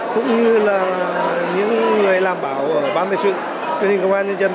cũng như là những người làm bảo ở ban thể sự truyền hình công an nhân dân